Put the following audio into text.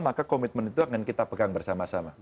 maka komitmen itu akan kita pegang bersama sama